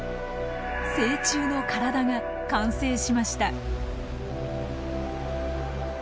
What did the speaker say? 成虫の体が完成しました。